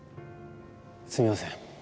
すいません。